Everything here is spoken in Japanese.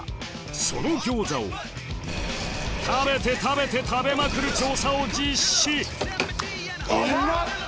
その餃子を食べて食べて食べまくる調査を実施うまっ！